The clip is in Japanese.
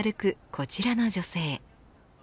こちらの女性。